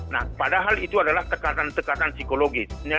nah padahal itu adalah tekatan tekatan psikologis